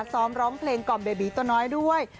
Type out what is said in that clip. ร้องเพลงกล่อมเบบีตัวน้อยด้วย